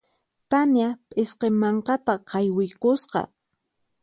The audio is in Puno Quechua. Tania p'isqi mankata qaywiykusqa.